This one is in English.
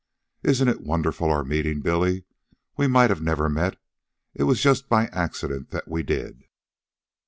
"Isn't it wonderful, our meeting, Billy? We might never have met. It was just by accident that we did."